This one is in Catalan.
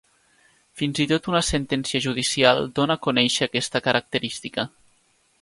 Fins i tot una sentència judicial donà a conèixer aquesta característica.